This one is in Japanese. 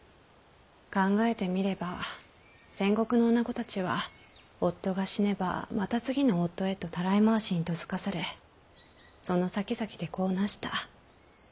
考えてみれば戦国の女子たちは夫が死ねばまた次の夫へとたらい回しに嫁がされそのさきざきで子をなした。